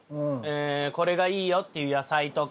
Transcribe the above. これがいいよっていう野菜とか。